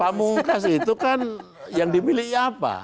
pak mungkas itu kan yang dimilih apa